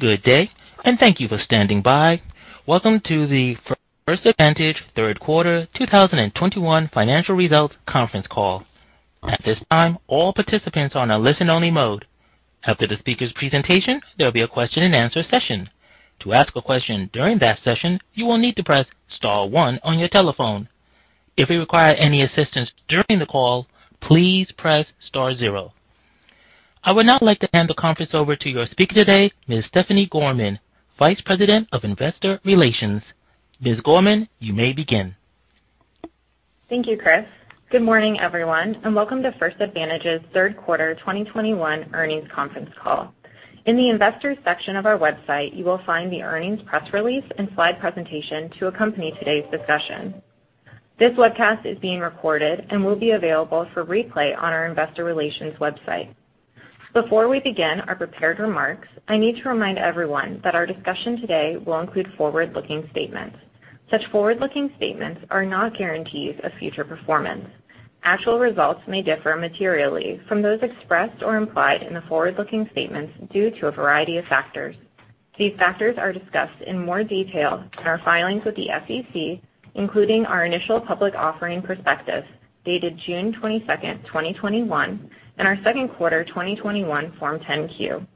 Good day, and thank you for standing by. Welcome to the First Advantage third quarter 2021 financial results conference call. At this time, all participants are on a listen-only mode. After the speaker's presentation, there'll be a question-and-answer session. To ask a question during that session, you will need to press star one on your telephone. If you require any assistance during the call, please press star zero. I would now like to hand the conference over to your speaker today, Ms. Stephanie Gorman, Vice President of Investor Relations. Ms. Gorman, you may begin. Thank you, Chris. Good morning, everyone, and welcome to First Advantage's third quarter 2021 earnings conference call. In the Investors section of our website, you will find the earnings press release and slide presentation to accompany today's discussion. This webcast is being recorded and will be available for replay on our Investor Relations website. Before we begin our prepared remarks, I need to remind everyone that our discussion today will include forward-looking statements. Such forward-looking statements are not guarantees of future performance. Actual results may differ materially from those expressed or implied in the forward-looking statements due to a variety of factors. These factors are discussed in more detail in our filings with the SEC, including our initial public offering prospectus dated June 22, 2021, and our second quarter 2021 Form 10-Q.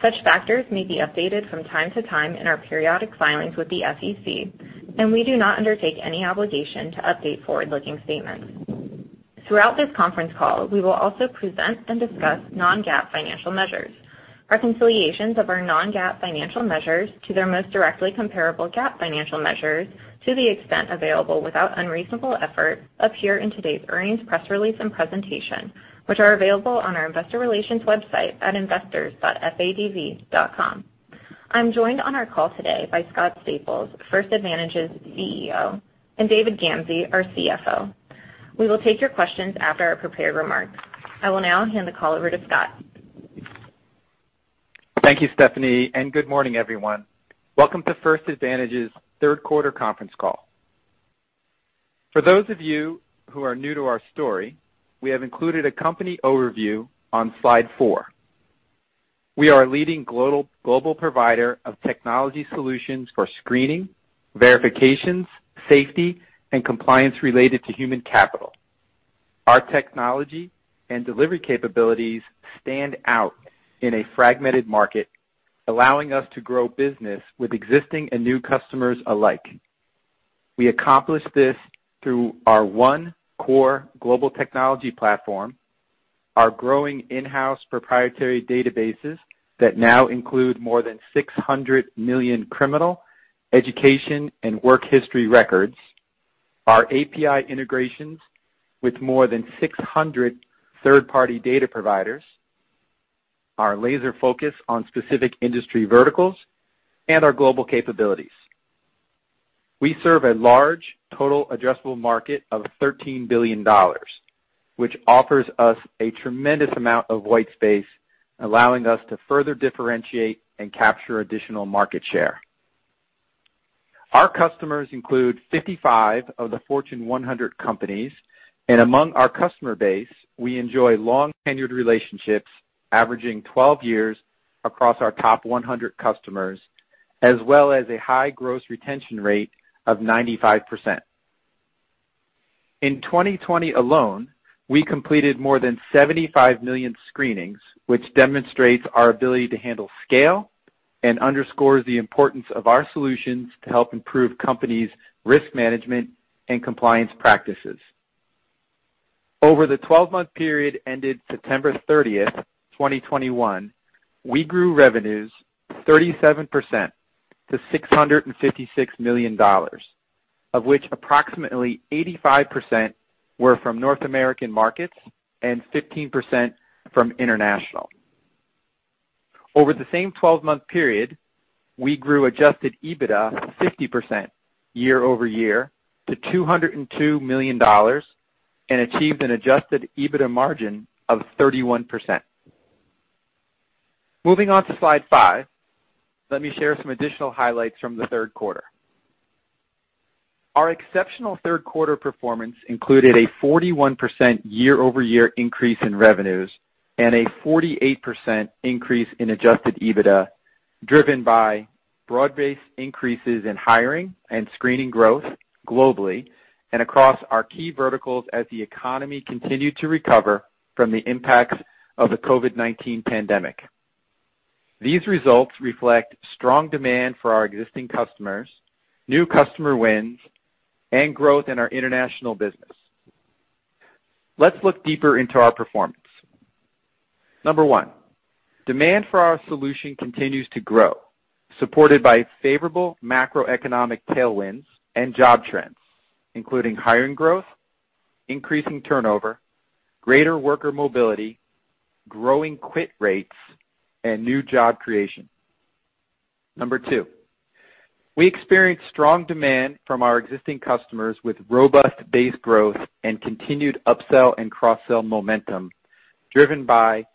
Such factors may be updated from time to time in our periodic filings with the SEC, and we do not undertake any obligation to update forward-looking statements. Throughout this conference call, we will also present and discuss non-GAAP financial measures. Our reconciliations of our non-GAAP financial measures to their most directly comparable GAAP financial measures, to the extent available without unreasonable effort, appear in today's earnings press release and presentation, which are available on our Investor Relations website at investors.fadv.com. I'm joined on our call today by Scott Staples, First Advantage's CEO, and David Gamsey, our CFO. We will take your questions after our prepared remarks. I will now hand the call over to Scott. Thank you, Stephanie, and good morning, everyone. Welcome to First Advantage's third quarter conference call. For those of you who are new to our story, we have included a company overview on slide four. We are a leading global provider of technology solutions for screening, verifications, safety, and compliance related to human capital. Our technology and delivery capabilities stand out in a fragmented market, allowing us to grow business with existing and new customers alike. We accomplish this through our one core global technology platform, our growing in-house proprietary databases that now include more than 600 million criminal, education, and work history records, our API integrations with more than 600 third-party data providers, our laser focus on specific industry verticals, and our global capabilities. We serve a large total addressable market of $13 billion, which offers us a tremendous amount of white space, allowing us to further differentiate and capture additional market share. Our customers include 55 of the Fortune 100 companies. Among our customer base, we enjoy long-tenured relationships averaging 12 years across our top 100 customers, as well as a high gross retention rate of 95%. In 2020 alone, we completed more than 75 million screenings, which demonstrates our ability to handle scale and underscores the importance of our solutions to help improve companies' risk management and compliance practices. Over the 12-month period ended September 30, 2021, we grew revenues 37% to $656 million, of which approximately 85% were from North American markets and 15% from international. Over the same 12-month period, we grew Adjusted EBITDA 50% year-over-year to $202 million and achieved an Adjusted EBITDA margin of 31%. Moving on to slide five, let me share some additional highlights from the third quarter. Our exceptional third quarter performance included a 41% year-over-year increase in revenues and a 48% increase in Adjusted EBITDA, driven by broad-based increases in hiring and screening growth globally and across our key verticals as the economy continued to recover from the impacts of the COVID-19 pandemic. These results reflect strong demand for our existing customers, new customer wins, and growth in our international business. Let's look deeper into our performance. Number one, demand for our solution continues to grow, supported by favorable macroeconomic tailwinds and job trends, including hiring growth, increasing turnover, greater worker mobility, growing quit rates, and new job creation. Number two, we experienced strong demand from our existing customers with robust base growth and continued upsell and cross-sell momentum, driven by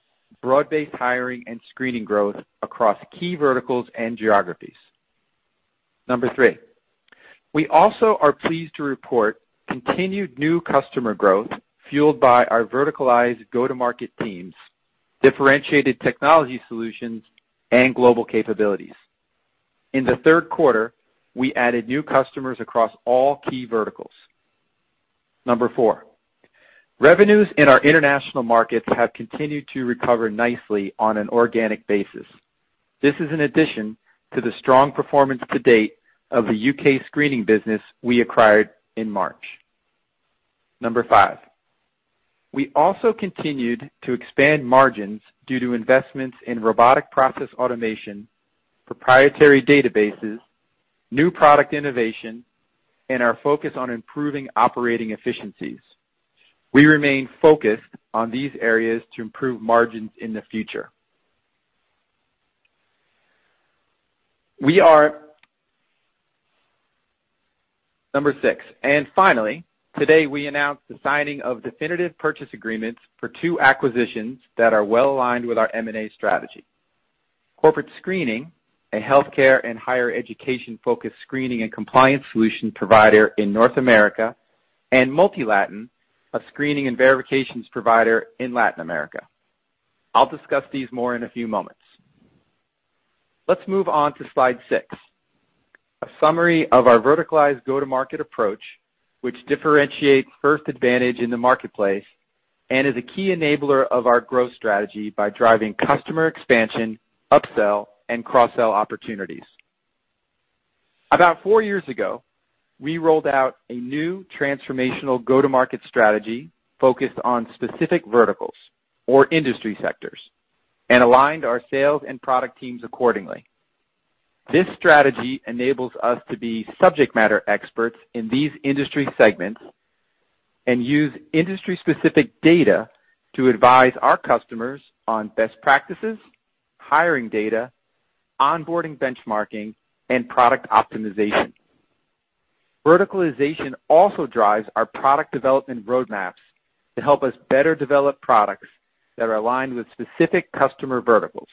broad-based hiring and screening growth across key verticals and geographies. Number three, we also are pleased to report continued new customer growth fueled by our verticalized go-to-market teams, differentiated technology solutions, and global capabilities. In the third quarter, we added new customers across all key verticals. Number four, revenues in our international markets have continued to recover nicely on an organic basis. This is an addition to the strong performance to date of the U.K. screening business we acquired in March. Number five, we also continued to expand margins due to investments in robotic process automation, proprietary databases, new product innovation, and our focus on improving operating efficiencies. We remain focused on these areas to improve margins in the future. Number six. Finally, today, we announced the signing of definitive purchase agreements for two acquisitions that are well-aligned with our M&A strategy. Corporate Screening, a healthcare and higher education-focused screening and compliance solution provider in North America, and MultiLatin, a screening and verifications provider in Latin America. I'll discuss these more in a few moments. Let's move on to slide six, a summary of our verticalized go-to-market approach, which differentiate First Advantage in the marketplace and is a key enabler of our growth strategy by driving customer expansion, upsell, and cross-sell opportunities. About four years ago, we rolled out a new transformational go-to-market strategy focused on specific verticals or industry sectors and aligned our sales and product teams accordingly. This strategy enables us to be subject matter experts in these industry segments and use industry-specific data to advise our customers on best practices, hiring data, onboarding benchmarking, and product optimization. Verticalization also drives our product development roadmaps to help us better develop products that are aligned with specific customer verticals.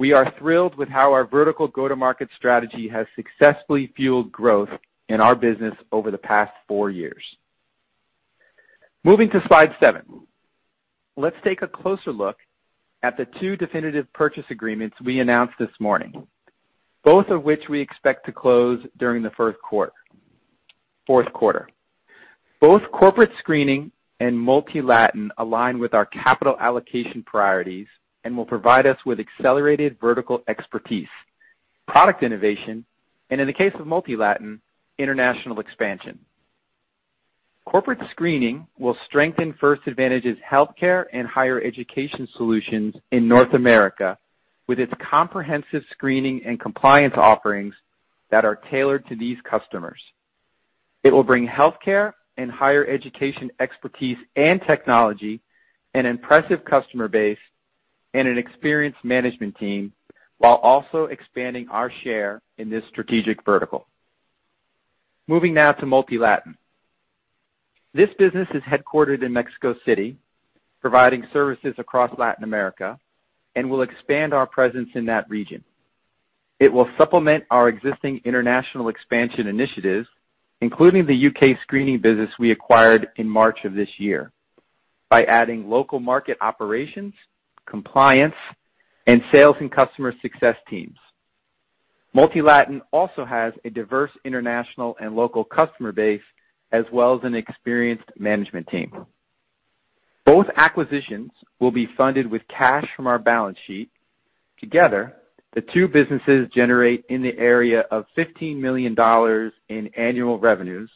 We are thrilled with how our vertical go-to-market strategy has successfully fueled growth in our business over the past four years. Moving to slide seven, let's take a closer look at the two definitive purchase agreements we announced this morning, both of which we expect to close during the first quarter, fourth quarter. Both Corporate Screening and MultiLatin align with our capital allocation priorities and will provide us with accelerated vertical expertise, product innovation, and in the case of MultiLatin, international expansion. Corporate Screening will strengthen First Advantage's healthcare and higher education solutions in North America with its comprehensive screening and compliance offerings that are tailored to these customers. It will bring healthcare and higher education expertise and technology, an impressive customer base, and an experienced management team while also expanding our share in this strategic vertical. Moving now to MultiLatin. This business is headquartered in Mexico City, providing services across Latin America, and will expand our presence in that region. It will supplement our existing international expansion initiatives, including the U.K. screening business we acquired in March of this year, by adding local market operations, compliance, and sales and customer success teams. MultiLatin also has a diverse international and local customer base, as well as an experienced management team. Both acquisitions will be funded with cash from our balance sheet. Together, the two businesses generate in the area of $15 million in annual revenues,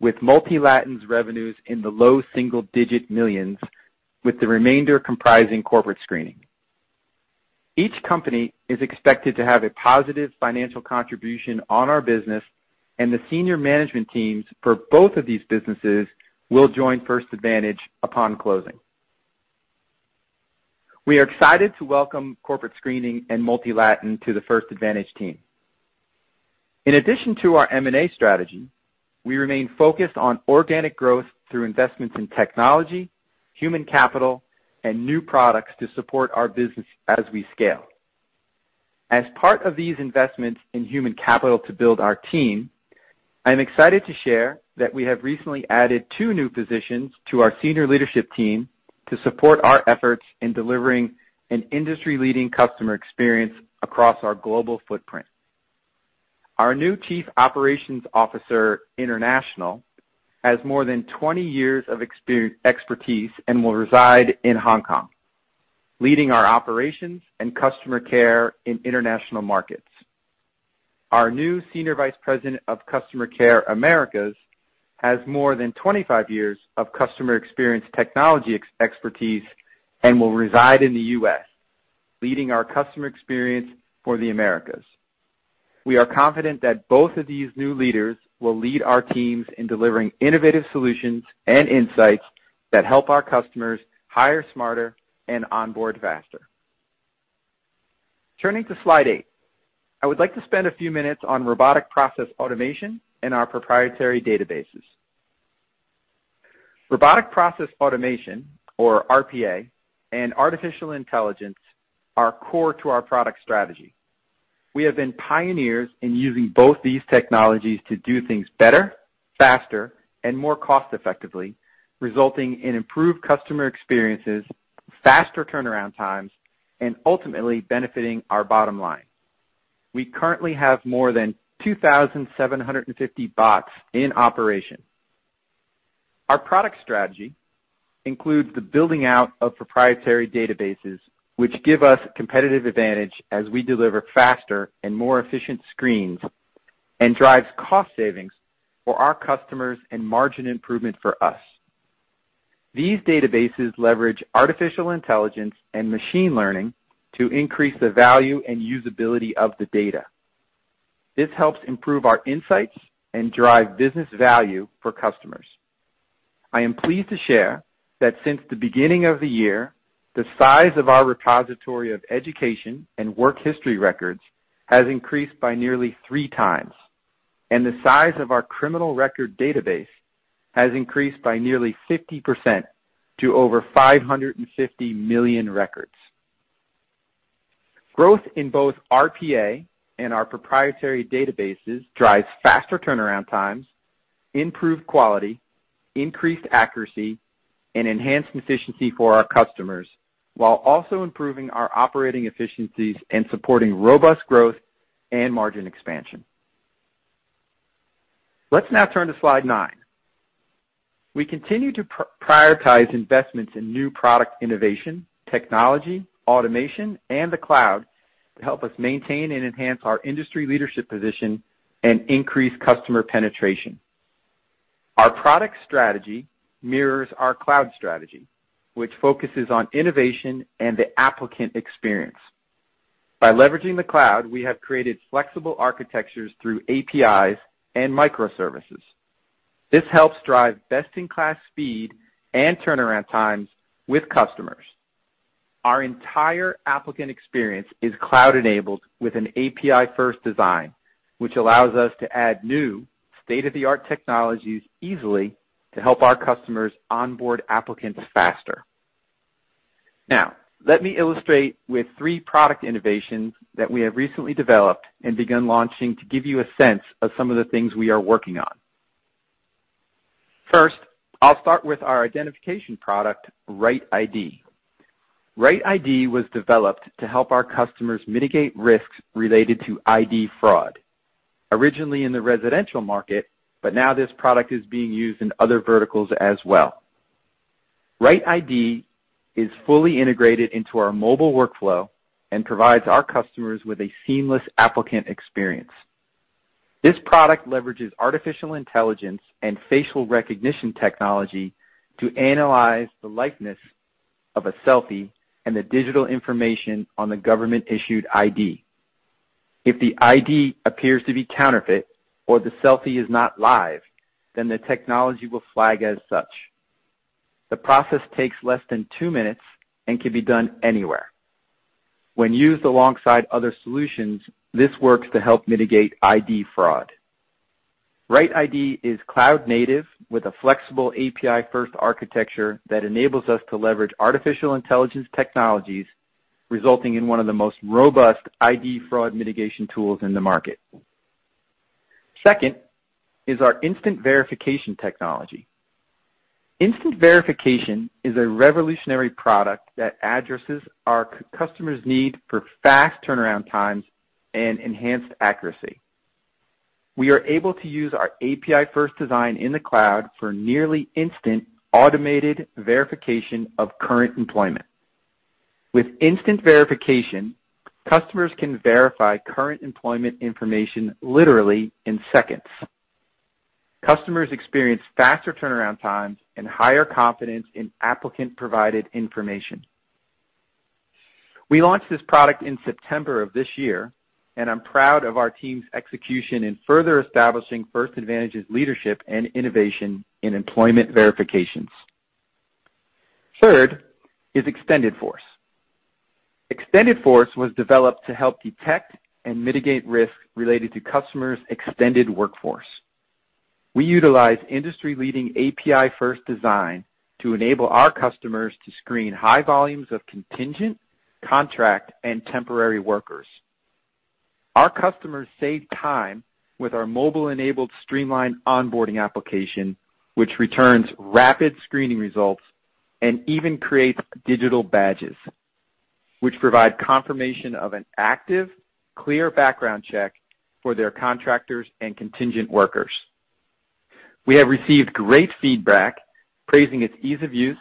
with MultiLatin's revenues in the low single-digit millions, with the remainder comprising Corporate Screening. Each company is expected to have a positive financial contribution on our business, and the senior management teams for both of these businesses will join First Advantage upon closing. We are excited to welcome Corporate Screening and MultiLatin to the First Advantage team. In addition to our M&A strategy, we remain focused on organic growth through investments in technology, human capital, and new products to support our business as we scale. As part of these investments in human capital to build our team, I'm excited to share that we have recently added two new positions to our senior leadership team to support our efforts in delivering an industry-leading customer experience across our global footprint. Our new Chief Operations Officer, International, has more than 20 years of expertise and will reside in Hong Kong, leading our operations and customer care in international markets. Our new Senior Vice President of Customer Care, Americas, has more than 25 years of customer experience technology expertise and will reside in the U.S., leading our customer experience for the Americas. We are confident that both of these new leaders will lead our teams in delivering innovative solutions and insights that help our customers hire smarter and onboard faster. Turning to slide eight. I would like to spend a few minutes on robotic process automation and our proprietary databases. Robotic process automation, or RPA, and artificial intelligence are core to our product strategy. We have been pioneers in using both these technologies to do things better, faster, and more cost-effectively, resulting in improved customer experiences, faster turnaround times, and ultimately benefiting our bottom line. We currently have more than 2,750 bots in operation. Our product strategy includes the building out of proprietary databases which give us competitive advantage as we deliver faster and more efficient screens and drives cost savings for our customers and margin improvement for us. These databases leverage artificial intelligence and machine learning to increase the value and usability of the data. This helps improve our insights and drive business value for customers. I am pleased to share that since the beginning of the year, the size of our repository of education and work history records has increased by nearly 3x, and the size of our criminal record database has increased by nearly 50% to over 550 million records. Growth in both RPA and our proprietary databases drives faster turnaround times, improved quality, increased accuracy, and enhanced efficiency for our customers, while also improving our operating efficiencies and supporting robust growth and margin expansion. Let's now turn to slide nine. We continue to prioritize investments in new product innovation, technology, automation, and the cloud to help us maintain and enhance our industry leadership position and increase customer penetration. Our product strategy mirrors our cloud strategy, which focuses on innovation and the applicant experience. By leveraging the cloud, we have created flexible architectures through APIs and microservices. This helps drive best-in-class speed and turnaround times with customers. Our entire applicant experience is cloud-enabled with an API-first design, which allows us to add new state-of-the-art technologies easily to help our customers onboard applicants faster. Now, let me illustrate with three product innovations that we have recently developed and begun launching to give you a sense of some of the things we are working on. First, I'll start with our identification product, RightID. RightID was developed to help our customers mitigate risks related to ID fraud. Originally in the residential market, but now this product is being used in other verticals as well. RightID is fully integrated into our mobile workflow and provides our customers with a seamless applicant experience. This product leverages artificial intelligence and facial recognition technology to analyze the likeness of a selfie and the digital information on the government-issued ID. If the ID appears to be counterfeit or the selfie is not live, then the technology will flag as such. The process takes less than two minutes and can be done anywhere. When used alongside other solutions, this works to help mitigate ID fraud. RightID is cloud-native with a flexible API-first architecture that enables us to leverage artificial intelligence technologies, resulting in one of the most robust ID fraud mitigation tools in the market. Second is our Instant Verification technology. Instant Verification is a revolutionary product that addresses our customers' need for fast turnaround times and enhanced accuracy. We are able to use our API first design in the cloud for nearly instant automated verification of current employment. With Instant Verification, customers can verify current employment information literally in seconds. Customers experience faster turnaround times and higher confidence in applicant-provided information. We launched this product in September of this year, and I'm proud of our team's execution in further establishing First Advantage's leadership and innovation in employment verifications. Third is XtdForce. XtdForce was developed to help detect and mitigate risk related to customers' extended workforce. We utilize industry-leading API first design to enable our customers to screen high volumes of contingent, contract, and temporary workers. Our customers save time with our mobile-enabled streamlined onboarding application, which returns rapid screening results and even creates digital badges, which provide confirmation of an active, clear background check for their contractors and contingent workers. We have received great feedback praising its ease of use,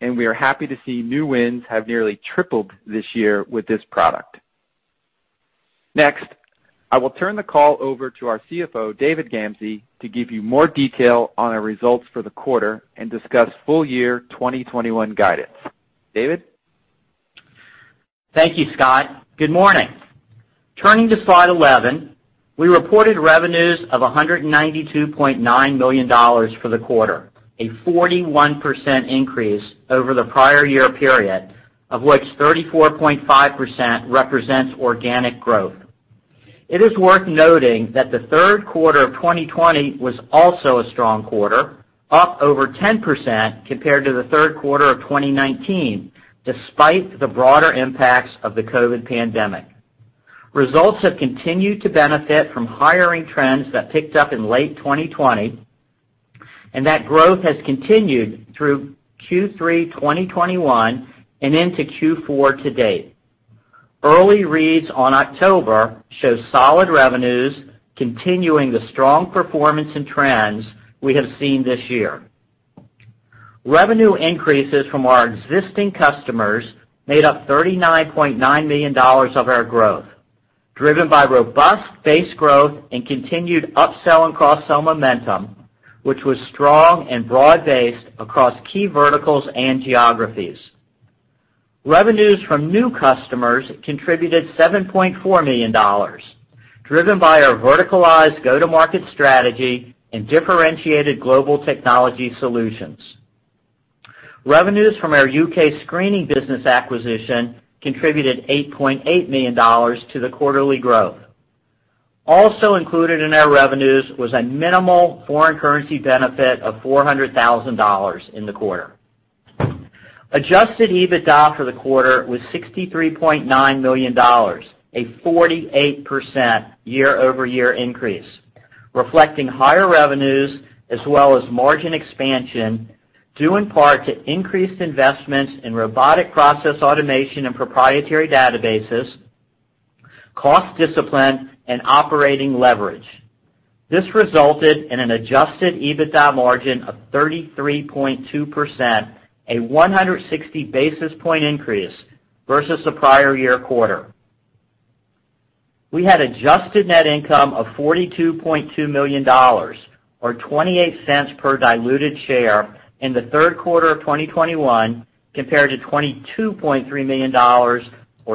and we are happy to see new wins have nearly tripled this year with this product. Next, I will turn the call over to our CFO, David Gamsey, to give you more detail on our results for the quarter and discuss full year 2021 guidance. David? Thank you, Scott. Good morning. Turning to slide 11, we reported revenues of $192.9 million for the quarter, a 41% increase over the prior year period, of which 34.5% represents organic growth. It is worth noting that the third quarter of 2020 was also a strong quarter, up over 10% compared to the third quarter of 2019, despite the broader impacts of the COVID-19 pandemic. Results have continued to benefit from hiring trends that picked up in late 2020, and that growth has continued through Q3 2021 and into Q4 to date. Early reads on October show solid revenues, continuing the strong performance and trends we have seen this year. Revenue increases from our existing customers made up $39.9 million of our growth, driven by robust base growth and continued upsell and cross-sell momentum, which was strong and broad-based across key verticals and geographies. Revenues from new customers contributed $7.4 million, driven by our verticalized go-to-market strategy and differentiated global technology solutions. Revenues from our U.K. screening business acquisition contributed $8.8 million to the quarterly growth. Also included in our revenues was a minimal foreign currency benefit of $400,000 in the quarter. Adjusted EBITDA for the quarter was $63.9 million, a 48% year-over-year increase, reflecting higher revenues as well as margin expansion, due in part to increased investments in robotic process automation and proprietary databases, cost discipline and operating leverage. This resulted in an Adjusted EBITDA margin of 33.2%, a 160 basis point increase versus the prior year quarter. We had adjusted net income of $42.2 million or $0.28 per diluted share in the third quarter of 2021 compared to $22.3 million or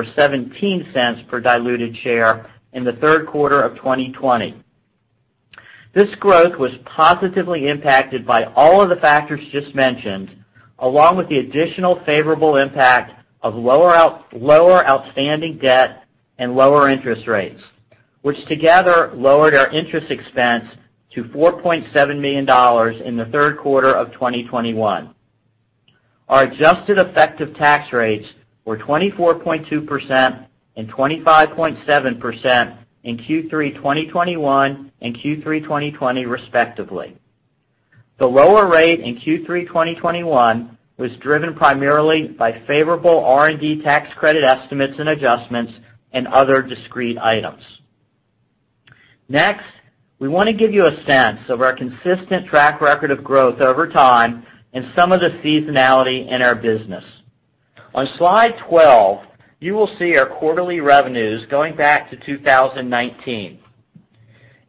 $0.17 per diluted share in the third quarter of 2020. This growth was positively impacted by all of the factors just mentioned, along with the additional favorable impact of lower outstanding debt and lower interest rates, which together lowered our interest expense to $4.7 million in the third quarter of 2021. Our adjusted effective tax rates were 24.2% and 25.7% in Q3 2021 and Q3 2020 respectively. The lower rate in Q3 2021 was driven primarily by favorable R&D tax credit estimates and adjustments and other discrete items. Next, we wanna give you a sense of our consistent track record of growth over time and some of the seasonality in our business. On slide 12, you will see our quarterly revenues going back to 2019.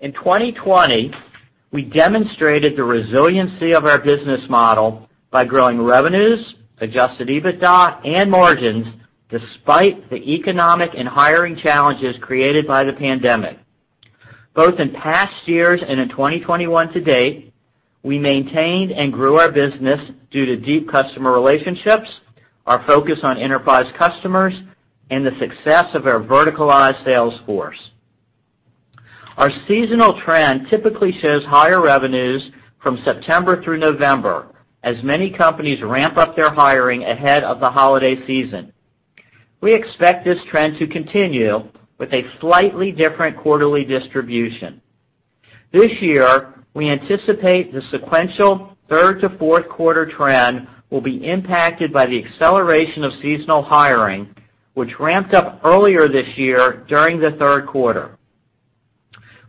In 2020, we demonstrated the resiliency of our business model by growing revenues, adjusted EBITDA and margins despite the economic and hiring challenges created by the pandemic. Both in past years and in 2021 to date, we maintained and grew our business due to deep customer relationships, our focus on enterprise customers and the success of our verticalized sales force. Our seasonal trend typically shows higher revenues from September through November, as many companies ramp up their hiring ahead of the holiday season. We expect this trend to continue with a slightly different quarterly distribution. This year, we anticipate the sequential third to fourth quarter trend will be impacted by the acceleration of seasonal hiring, which ramped up earlier this year during the third quarter.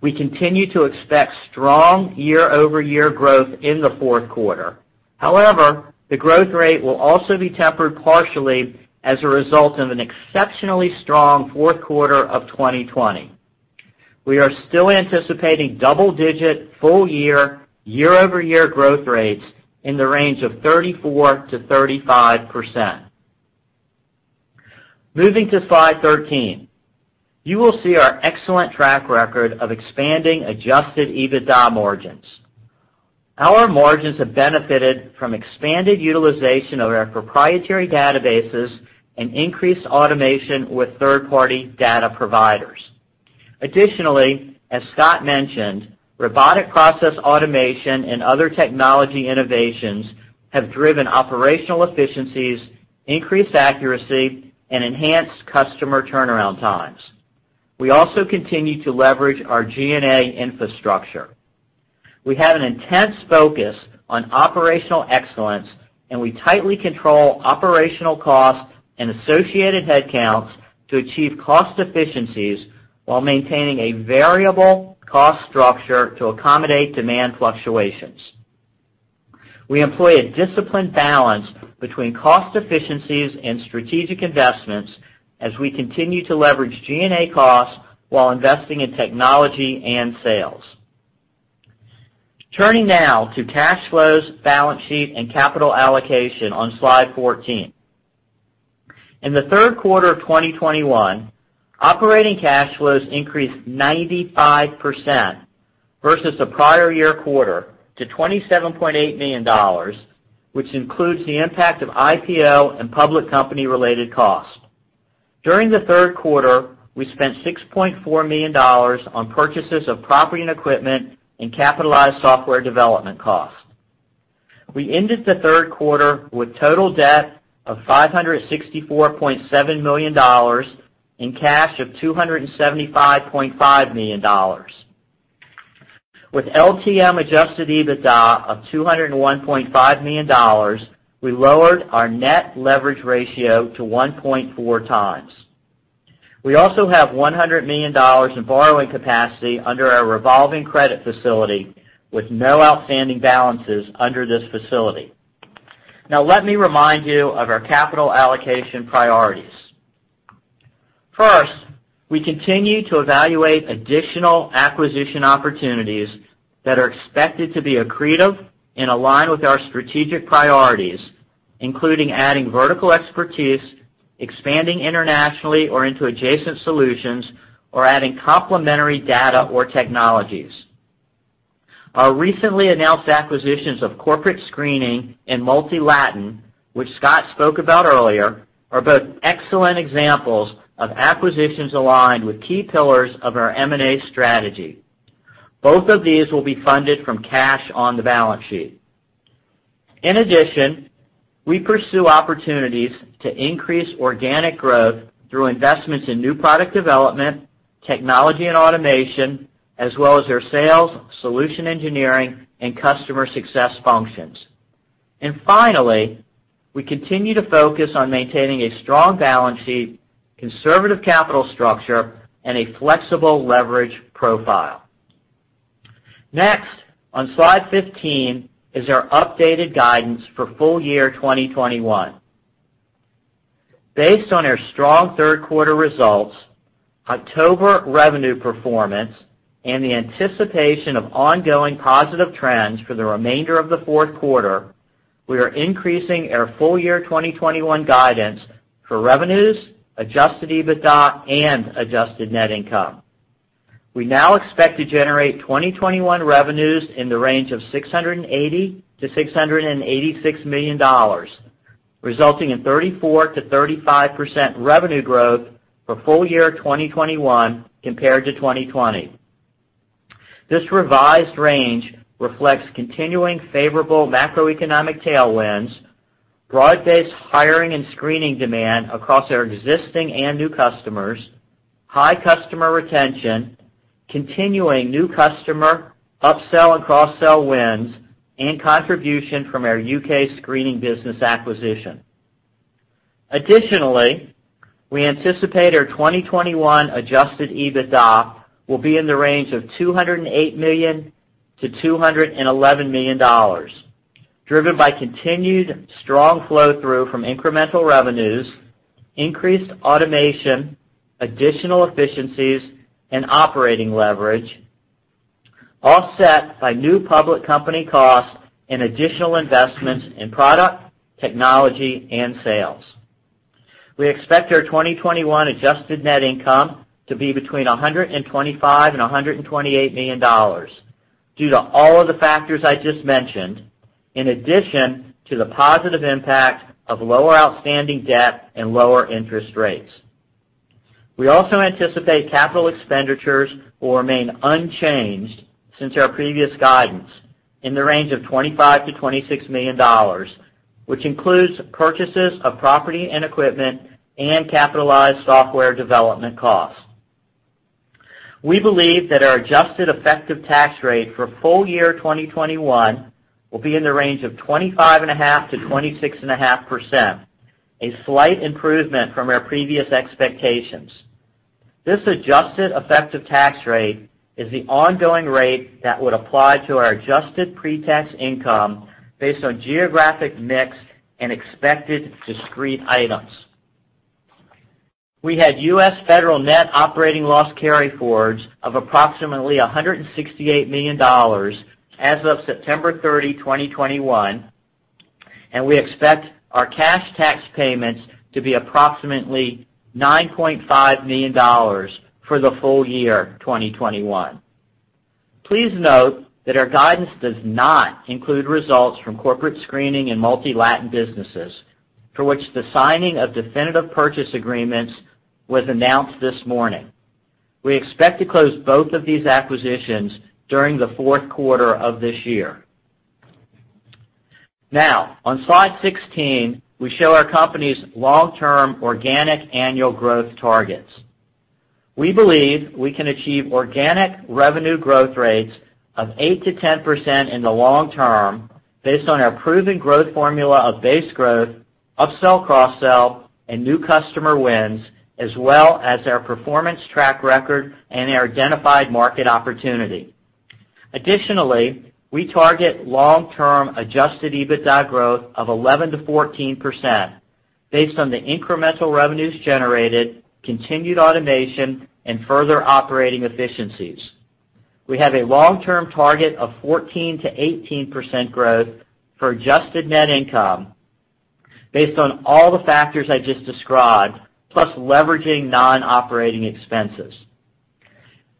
We continue to expect strong year-over-year growth in the fourth quarter. However, the growth rate will also be tempered partially as a result of an exceptionally strong fourth quarter of 2020. We are still anticipating double-digit full year-over-year growth rates in the range of 34%-35%. Moving to slide 13. You will see our excellent track record of expanding Adjusted EBITDA margins. Our margins have benefited from expanded utilization of our proprietary databases and increased automation with third-party data providers. Additionally, as Scott mentioned, robotic process automation and other technology innovations have driven operational efficiencies, increased accuracy, and enhanced customer turnaround times. We also continue to leverage our G&A infrastructure. We have an intense focus on operational excellence, and we tightly control operational costs and associated headcounts to achieve cost efficiencies while maintaining a variable cost structure to accommodate demand fluctuations. We employ a disciplined balance between cost efficiencies and strategic investments as we continue to leverage G&A costs while investing in technology and sales. Turning now to cash flows, balance sheet, and capital allocation on slide 14. In the third quarter of 2021, operating cash flows increased 95% versus the prior year quarter to $27.8 million, which includes the impact of IPO and public company-related costs. During the third quarter, we spent $6.4 million on purchases of property and equipment and capitalized software development costs. We ended the third quarter with total debt of $564.7 million and cash of $275.5 million. With LTM Adjusted EBITDA of $201.5 million, we lowered our net leverage ratio to 1.4x. We also have $100 million in borrowing capacity under our revolving credit facility with no outstanding balances under this facility. Now, let me remind you of our capital allocation priorities. First, we continue to evaluate additional acquisition opportunities that are expected to be accretive and align with our strategic priorities, including adding vertical expertise, expanding internationally or into adjacent solutions, or adding complementary data or technologies. Our recently announced acquisitions of Corporate Screening and MultiLatin, which Scott spoke about earlier, are both excellent examples of acquisitions aligned with key pillars of our M&A strategy. Both of these will be funded from cash on the balance sheet. In addition, we pursue opportunities to increase organic growth through investments in new product development, technology and automation, as well as our sales, solution engineering, and customer success functions. Finally, we continue to focus on maintaining a strong balance sheet, conservative capital structure, and a flexible leverage profile. Next, on slide 15, is our updated guidance for full year 2021. Based on our strong third quarter results, October revenue performance, and the anticipation of ongoing positive trends for the remainder of the fourth quarter, we are increasing our full year 2021 guidance for revenues, Adjusted EBITDA, and adjusted net income. We now expect to generate 2021 revenues in the range of $680 million-$686 million, resulting in 34%-35% revenue growth for full year 2021 compared to 2020. This revised range reflects continuing favorable macroeconomic tailwinds, broad-based hiring and screening demand across our existing and new customers, high customer retention, continuing new customer upsell and cross-sell wins, and contribution from our U.K. screening business acquisition. Additionally, we anticipate our 2021 Adjusted EBITDA will be in the range of $208 million-$211 million, driven by continued strong flow-through from incremental revenues, increased automation, additional efficiencies, and operating leverage, offset by new public company costs and additional investments in product, technology, and sales. We expect our 2021 adjusted net income to be between $125 million and $128 million due to all of the factors I just mentioned, in addition to the positive impact of lower outstanding debt and lower interest rates. We also anticipate capital expenditures will remain unchanged since our previous guidance in the range of $25 million-$26 million, which includes purchases of property and equipment and capitalized software development costs. We believe that our adjusted effective tax rate for full year 2021 will be in the range of 25.5%-26.5%, a slight improvement from our previous expectations. This adjusted effective tax rate is the ongoing rate that would apply to our adjusted pre-tax income based on geographic mix and expected discrete items. We had U.S. federal net operating loss carryforwards of approximately $168 million as of September 30, 2021, and we expect our cash tax payments to be approximately $9.5 million for the full year 2021. Please note that our guidance does not include results from Corporate Screening and MultiLatin businesses, for which the signing of definitive purchase agreements was announced this morning. We expect to close both of these acquisitions during the fourth quarter of this year. Now, on slide 16, we show our company's long-term organic annual growth targets. We believe we can achieve organic revenue growth rates of 8%-10% in the long term based on our proven growth formula of base growth, upsell, cross-sell, and new customer wins, as well as our performance track record and our identified market opportunity. Additionally, we target long-term Adjusted EBITDA growth of 11%-14% based on the incremental revenues generated, continued automation, and further operating efficiencies. We have a long-term target of 14%-18% growth for adjusted net income. Based on all the factors I just described, plus leveraging non-operating expenses.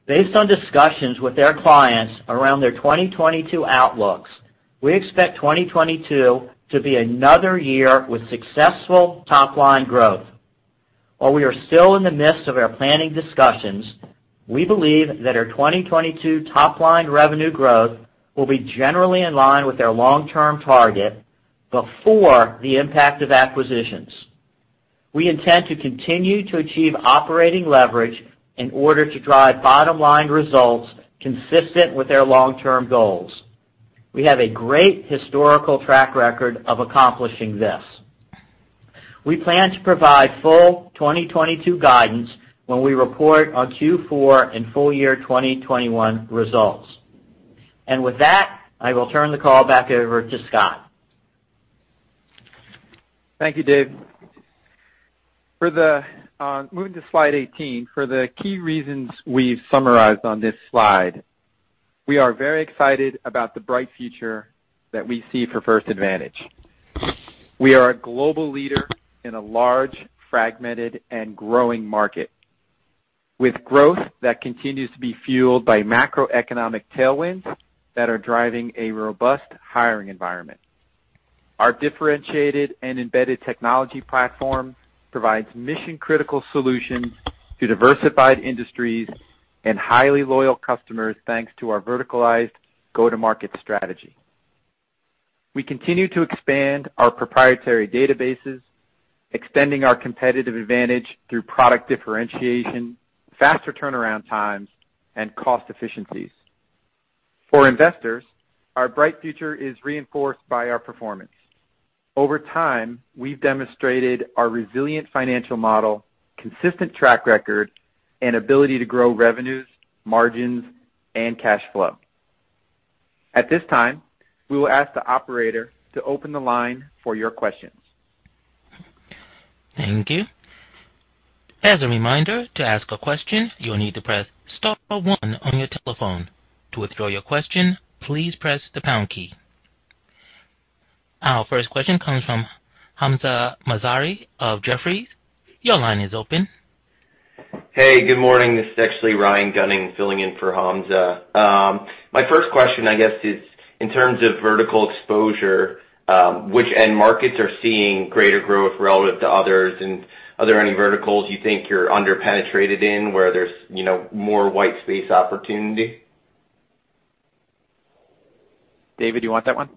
Based on discussions with their clients around their 2022 outlooks, we expect 2022 to be another year with successful top line growth. While we are still in the midst of our planning discussions, we believe that our 2022 top line revenue growth will be generally in line with their long-term target before the impact of acquisitions. We intend to continue to achieve operating leverage in order to drive bottom line results consistent with their long-term goals. We have a great historical track record of accomplishing this. We plan to provide full 2022 guidance when we report on Q4 and full year 2021 results. With that, I will turn the call back over to Scott. Thank you, Dave. Moving to slide 18. For the key reasons we've summarized on this slide, we are very excited about the bright future that we see for First Advantage. We are a global leader in a large fragmented and growing market, with growth that continues to be fueled by macroeconomic tailwinds that are driving a robust hiring environment. Our differentiated and embedded technology platform provides mission-critical solutions to diversified industries and highly loyal customers, thanks to our verticalized go-to-market strategy. We continue to expand our proprietary databases, extending our competitive advantage through product differentiation, faster turnaround times, and cost efficiencies. For investors, our bright future is reinforced by our performance. Over time, we've demonstrated our resilient financial model, consistent track record, and ability to grow revenues, margins, and cash flow. At this time, we will ask the operator to open the line for your questions. Thank you. As a reminder, to ask a question, you'll need to press star one on your telephone. To withdraw your question, please press the pound key. Our first question comes from Hamzah Mazari of Jefferies. Your line is open. Hey, good morning. This is actually Ryan Gunning filling in for Hamzah. My first question, I guess, is in terms of vertical exposure, which end markets are seeing greater growth relative to others, and are there any verticals you think you're under-penetrated in where there's, you know, more white space opportunity? David, you want that one?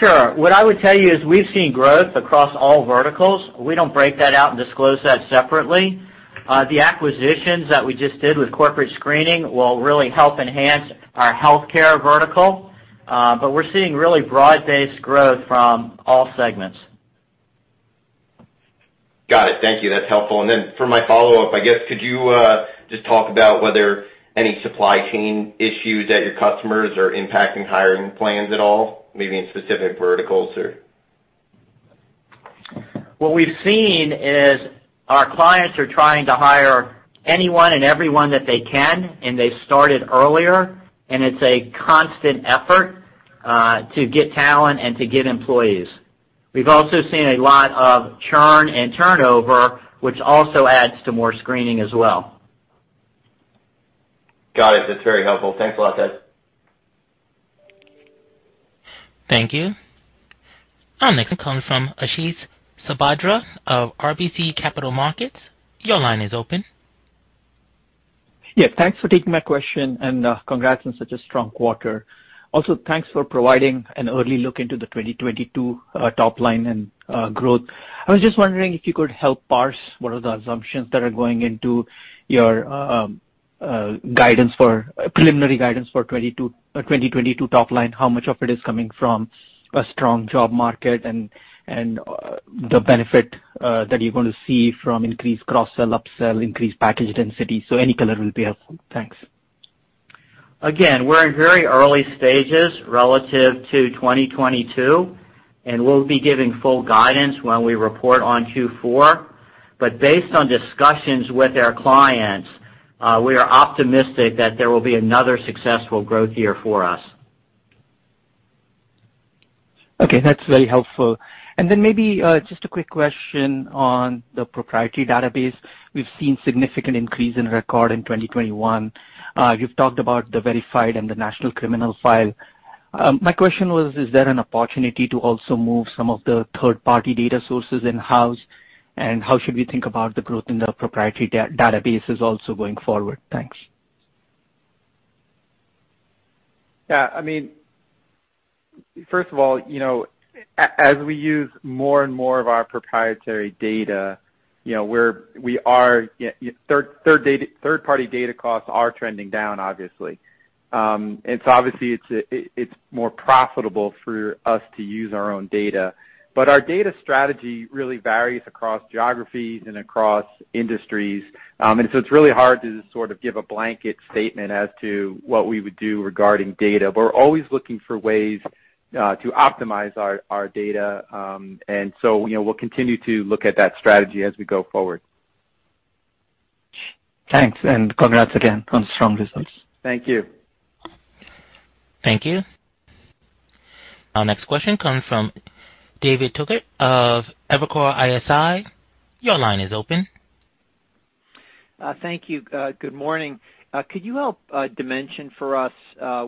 Sure. What I would tell you is we've seen growth across all verticals. We don't break that out and disclose that separately. The acquisitions that we just did with Corporate Screening will really help enhance our healthcare vertical, but we're seeing really broad-based growth from all segments. Got it. Thank you. That's helpful. For my follow-up, I guess, could you just talk about whether any supply chain issues at your customers are impacting hiring plans at all, maybe in specific verticals or? What we've seen is our clients are trying to hire anyone and everyone that they can, and they started earlier, and it's a constant effort to get talent and to get employees. We've also seen a lot of churn and turnover, which also adds to more screening as well. Got it. That's very helpful. Thanks a lot, guys. Thank you. Our next comes from Ashish Sabadra of RBC Capital Markets. Your line is open. Yeah, thanks for taking my question, and congrats on such a strong quarter. Also, thanks for providing an early look into the 2022 top line and growth. I was just wondering if you could help parse what are the assumptions that are going into your preliminary guidance for 2022 top line, how much of it is coming from a strong job market, and the benefit that you're going to see from increased cross sell, upsell, increased package density, so any color will be helpful. Thanks. Again, we're in very early stages relative to 2022, and we'll be giving full guidance when we report on Q4. Based on discussions with our clients, we are optimistic that there will be another successful growth year for us. Okay, that's very helpful. Maybe just a quick question on the proprietary database. We've seen significant increase in records in 2021. You've talked about the Verified! and the national criminal file. My question was, is there an opportunity to also move some of the third-party data sources in-house? And how should we think about the growth in the proprietary database going forward? Thanks. Yeah. I mean, first of all, you know, as we use more and more of our proprietary data, you know, we are third-party data costs are trending down, obviously. Obviously it's more profitable for us to use our own data. Our data strategy really varies across geographies and across industries. It's really hard to sort of give a blanket statement as to what we would do regarding data. We're always looking for ways to optimize our data, you know, we'll continue to look at that strategy as we go forward. Thanks, and congrats again on strong results. Thank you. Thank you. Our next question comes from David Togut of Evercore ISI. Your line is open. Thank you. Good morning. Could you help dimension for us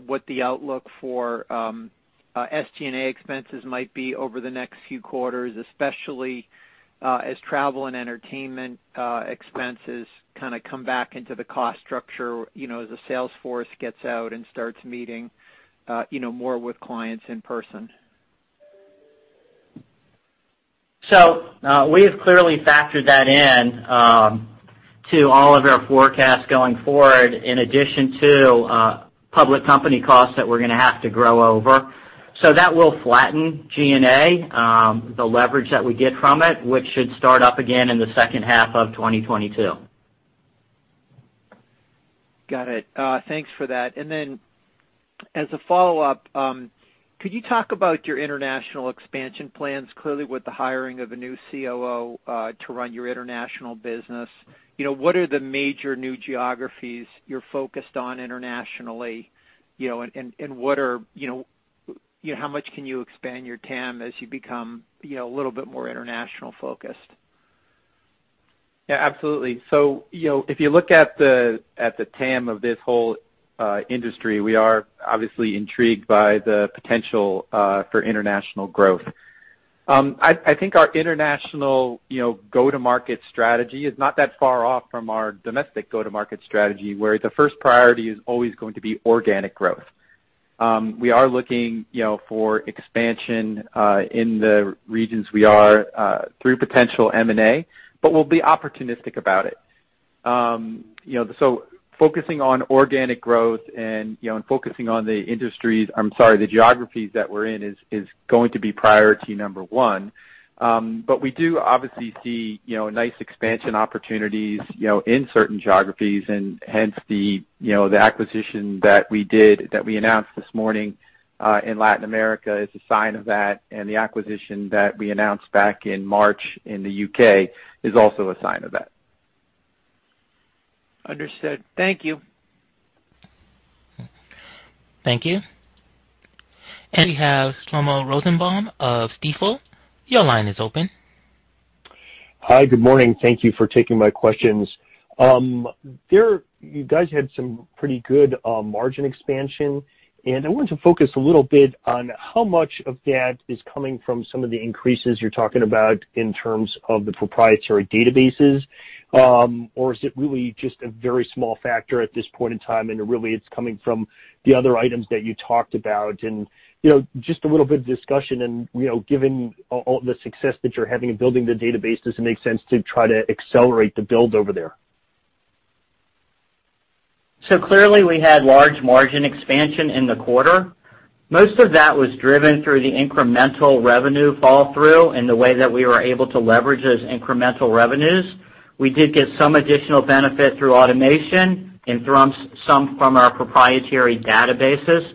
what the outlook for SG&A expenses might be over the next few quarters, especially as travel and entertainment expenses kinda come back into the cost structure, you know, as the sales force gets out and starts meeting, you know, more with clients in person? We have clearly factored that in to all of our forecasts going forward in addition to public company costs that we're gonna have to grow over. That will flatten G&A, the leverage that we get from it, which should start up again in the second half of 2022. Got it. Thanks for that. As a follow-up, could you talk about your international expansion plans, clearly with the hiring of a new COO to run your international business? You know, what are the major new geographies you're focused on internationally, you know, and what are, you know, how much can you expand your TAM as you become, you know, a little bit more international focused? Yeah, absolutely. You know, if you look at the TAM of this whole industry, we are obviously intrigued by the potential for international growth. I think our international go-to-market strategy is not that far off from our domestic go-to-market strategy, where the first priority is always going to be organic growth. We are looking for expansion in the regions we are through potential M&A, but we'll be opportunistic about it. You know, focusing on organic growth and focusing on the geographies that we're in is going to be priority number one. We do obviously see, you know, nice expansion opportunities, you know, in certain geographies and hence the, you know, the acquisition that we did, that we announced this morning in Latin America is a sign of that. The acquisition that we announced back in March in the U.K. is also a sign of that. Understood. Thank you. Thank you. We have Shlomo Rosenbaum of Stifel. Your line is open. Hi. Good morning. Thank you for taking my questions. You guys had some pretty good margin expansion, and I wanted to focus a little bit on how much of that is coming from some of the increases you're talking about in terms of the proprietary databases. Or is it really just a very small factor at this point in time and really it's coming from the other items that you talked about? You know, just a little bit of discussion and, you know, given all the success that you're having in building the database, does it make sense to try to accelerate the build over there? Clearly we had large margin expansion in the quarter. Most of that was driven through the incremental revenue fall through and the way that we were able to leverage those incremental revenues. We did get some additional benefit through automation and through some of our proprietary databases.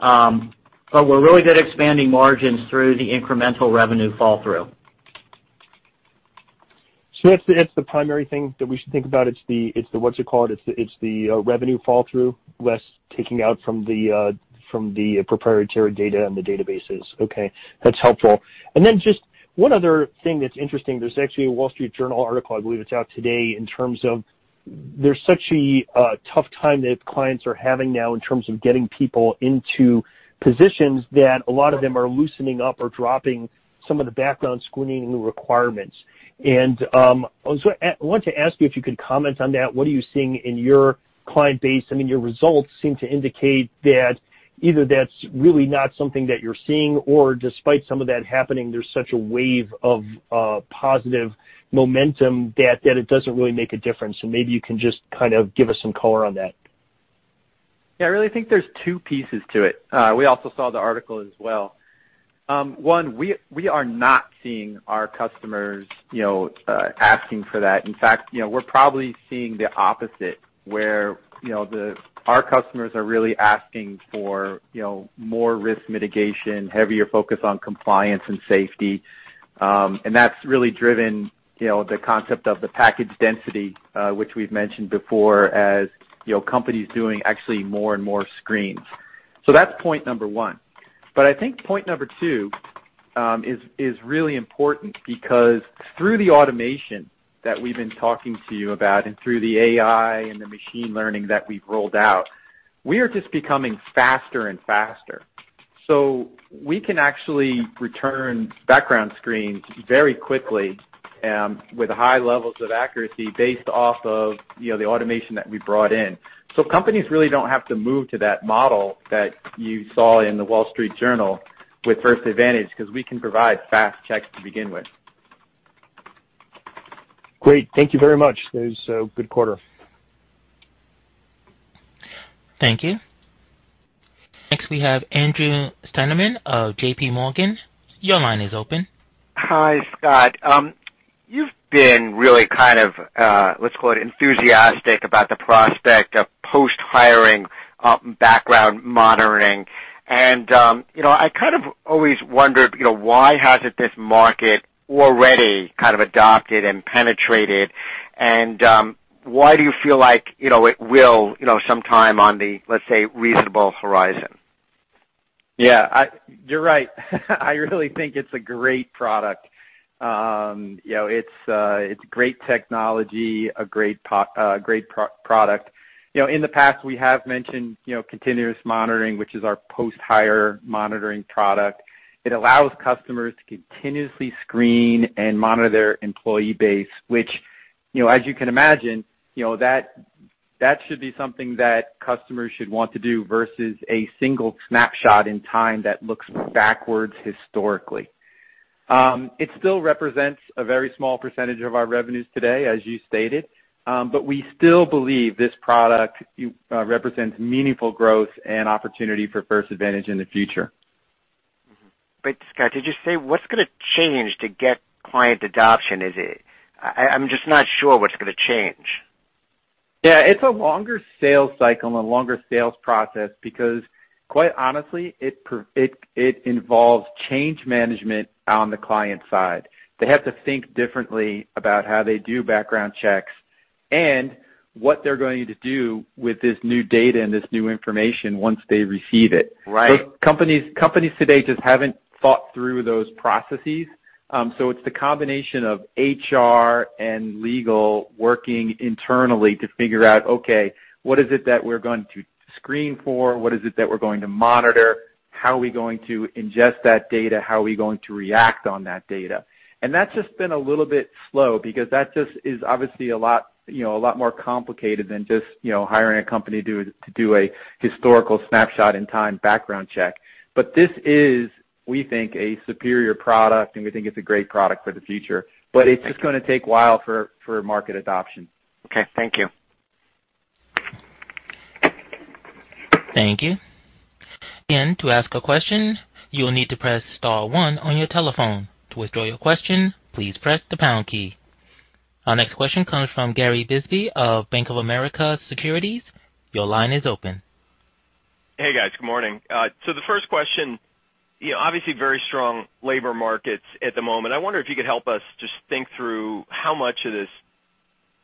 But we're really good at expanding margins through the incremental revenue fall through. That's the primary thing that we should think about. It's the, what you call it, revenue flow-through, less taking out from the proprietary data and the databases. Okay, that's helpful. Then just one other thing that's interesting. There's actually a Wall Street Journal article, I believe it's out today, in terms of there's such a tough time that clients are having now in terms of getting people into positions that a lot of them are loosening up or dropping some of the background screening requirements. I want to ask you if you could comment on that. What are you seeing in your client base? I mean, your results seem to indicate that either that's really not something that you're seeing, or despite some of that happening, there's such a wave of positive momentum that it doesn't really make a difference. Maybe you can just kind of give us some color on that. Yeah, I really think there's two pieces to it. We also saw the article as well. One, we are not seeing our customers, you know, asking for that. In fact, you know, we're probably seeing the opposite, where, you know, our customers are really asking for, you know, more risk mitigation, heavier focus on compliance and safety. And that's really driven, you know, the concept of the package density, which we've mentioned before, as, you know, companies doing actually more and more screens. That's point number one. I think point number two is really important because through the automation that we've been talking to you about and through the AI and the machine learning that we've rolled out, we are just becoming faster and faster. We can actually return background screens very quickly, with high levels of accuracy based off of the automation that we brought in. Companies really don't have to move to that model that you saw in the Wall Street Journal with First Advantage, 'cause we can provide fast checks to begin with. Great. Thank you very much. It was a good quarter. Thank you. Next we have Andrew Steinerman of JPMorgan. Your line is open. Hi, Scott. You've been really kind of, let's call it enthusiastic about the prospect of post-hiring background monitoring. You know, I kind of always wondered, you know, why hasn't this market already kind of adopted and penetrated, and, why do you feel like, you know, it will, you know, sometime on the, let's say, reasonable horizon? Yeah, you're right. I really think it's a great product. You know, it's great technology, a great product. You know, in the past, we have mentioned, you know, continuous monitoring, which is our post-hire monitoring product. It allows customers to continuously screen and monitor their employee base, which, you know, as you can imagine, you know, that should be something that customers should want to do versus a single snapshot in time that looks backwards historically. It still represents a very small percentage of our revenues today, as you stated, but we still believe this product represents meaningful growth and opportunity for First Advantage in the future. Mm-hmm. Scott, did you say what's gonna change to get client adoption? Is it? I'm just not sure what's gonna change. Yeah. It's a longer sales cycle and a longer sales process because quite honestly, it involves change management on the client side. They have to think differently about how they do background checks and what they're going to do with this new data and this new information once they receive it. Right. Most companies today just haven't thought through those processes. It's the combination of HR and legal working internally to figure out, okay, what is it that we're going to screen for? What is it that we're going to monitor? How are we going to ingest that data? How are we going to react on that data? And that's just been a little bit slow because that just is obviously a lot, you know, a lot more complicated than just, you know, hiring a company to do a historical snapshot in time background check. This is, we think, a superior product, and we think it's a great product for the future. It's just gonna take a while for market adoption. Okay. Thank you. Thank you. To ask a question, you will need to press star one on your telephone. To withdraw your question, please press the pound key. Our next question comes from Gary Bisbee of Bank of America Securities. Your line is open. Hey, guys. Good morning. The first question, you know, obviously very strong labor markets at the moment. I wonder if you could help us just think through how much of this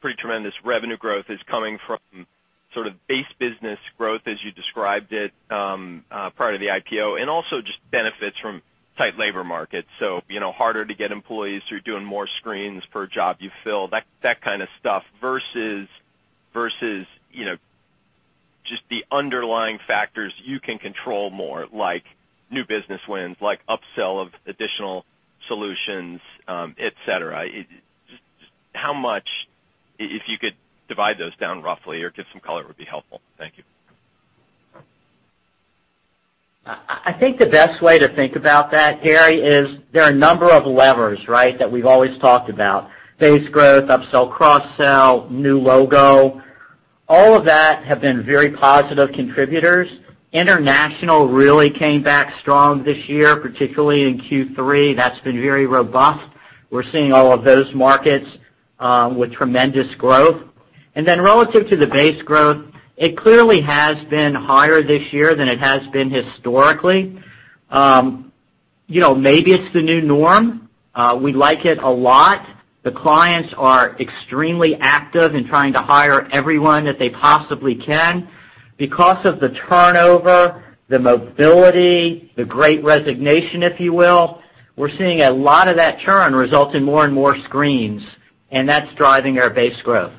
pretty tremendous revenue growth is coming from sort of base business growth as you described it, prior to the IPO, and also just benefits from tight labor markets. You know, harder to get employees. You're doing more screens per job you fill, that kind of stuff versus, you know, just the underlying factors you can control more, like new business wins, like upsell of additional solutions, et cetera. Just how much if you could divide those down roughly or give some color, it would be helpful. Thank you. I think the best way to think about that, Gary, is there are a number of levers, right? That we've always talked about. Base growth, upsell, cross-sell, new logo, all of that have been very positive contributors. International really came back strong this year, particularly in Q3. That's been very robust. We're seeing all of those markets with tremendous growth. Then relative to the base growth, it clearly has been higher this year than it has been historically. You know, maybe it's the new norm. We like it a lot. The clients are extremely active in trying to hire everyone that they possibly can. Because of the turnover, the mobility, the great resignation, if you will, we're seeing a lot of that churn result in more and more screens, and that's driving our base growth.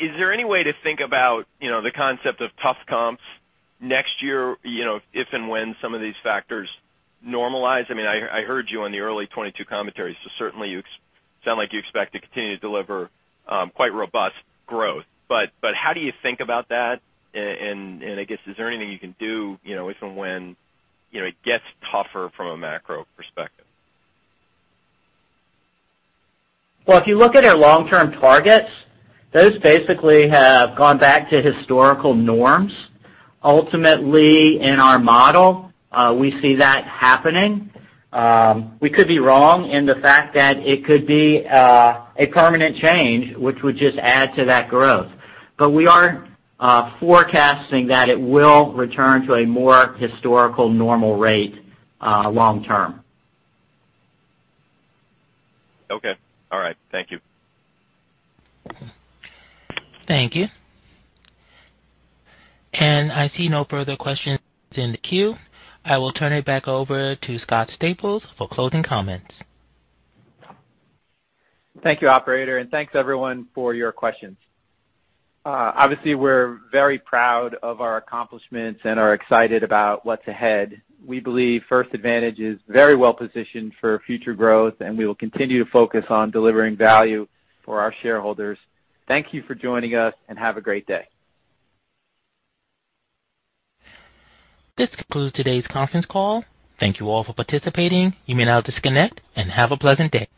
Is there any way to think about, you know, the concept of tough comps next year, you know, if and when some of these factors normalize? I mean, I heard you on the early 2022 commentary, so certainly you sound like you expect to continue to deliver quite robust growth. How do you think about that? I guess, is there anything you can do, you know, if and when, you know, it gets tougher from a macro perspective? Well, if you look at our long-term targets, those basically have gone back to historical norms. Ultimately, in our model, we see that happening. We could be wrong in the fact that it could be a permanent change, which would just add to that growth. We are forecasting that it will return to a more historical normal rate, long term. Okay. All right. Thank you. Thank you. I see no further questions in the queue. I will turn it back over to Scott Staples for closing comments. Thank you, operator, and thanks everyone for your questions. Obviously, we're very proud of our accomplishments and are excited about what's ahead. We believe First Advantage is very well positioned for future growth, and we will continue to focus on delivering value for our shareholders. Thank you for joining us, and have a great day. This concludes today's conference call. Thank you all for participating. You may now disconnect and have a pleasant day.